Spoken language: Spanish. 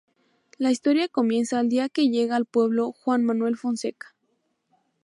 La historia comienza el día que llega al pueblo Juan Manuel Fonseca.